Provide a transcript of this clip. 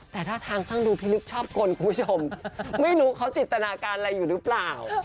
แต่ท่าทางช่างดูพี่นึกชอบกลคุณผู้ชมไม่รู้เขาจินตนาการอะไรอยู่หรือเปล่า